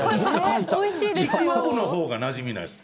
ちくわぶのほうがなじみないですか？